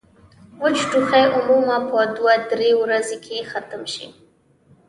وچ ټوخی عموماً پۀ دوه درې ورځې کښې ختم شي